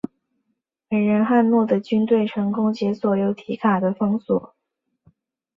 伟人汉诺的军队成功解除由提卡的封锁。